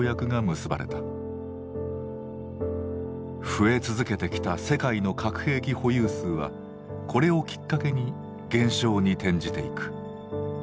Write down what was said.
増え続けてきた世界の核兵器保有数はこれをきっかけに減少に転じていく。